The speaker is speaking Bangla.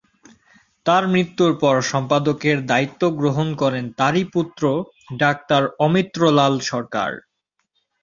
তার মৃত্যুর পর সম্পাদকের দায়িত্ব গ্রহণ করেন তারই পুত্র ডাক্তার অমৃতলাল সরকার।